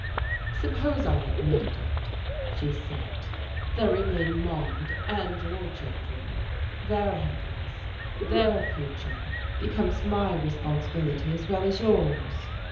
"Suppose I admitted it," she said, "there remain Maude and your children. Their happiness, their future becomes my responsibility as well as yours."